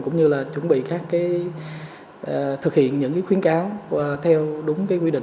cũng như là chuẩn bị thực hiện những khuyến cáo theo đúng quy định